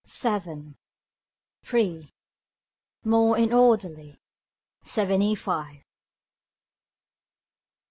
Seven. Three. More in orderly. Seventy five.